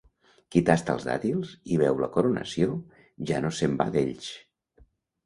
Qui tasta els dàtils i veu la coronació ja no se'n va d'Elx.